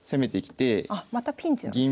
あまたピンチなんですね。